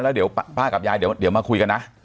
แล้วเดี๋ยวป้ากับยายเดี๋ยวมาคุยกันนะ